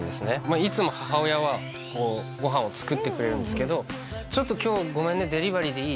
いつも母親はごはんを作ってくれるんですけどちょっと今日ごめんねデリバリーでいい？